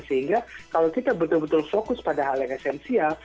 sehingga kalau kita betul betul fokus pada hal yang esensial